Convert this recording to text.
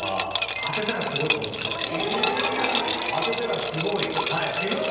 当てたらすごい？え！